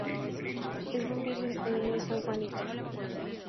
Es una Virgen con Niño y san Juanito.